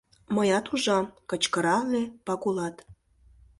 — Мыят ужам, — кычкырале Пагулат.